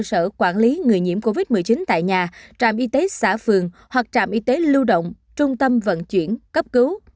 cơ sở quản lý người nhiễm covid một mươi chín tại nhà trạm y tế xã phường hoặc trạm y tế lưu động trung tâm vận chuyển cấp cứu